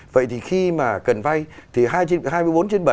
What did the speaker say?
vậy thì khi mà cần vay thì trên hai mươi bốn trên bảy